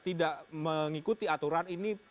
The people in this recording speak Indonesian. tidak mengikuti aturan ini